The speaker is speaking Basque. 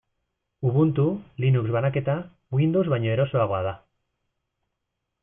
Ubuntu, Linux banaketa, Windows baino erosoagoa da.